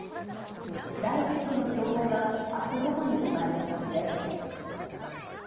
第一局の勝敗はあす午後に決まる見通しです。